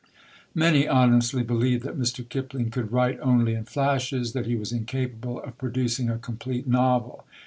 Many honestly believed that Mr. Kipling could write only in flashes; that he was incapable of producing a complete novel.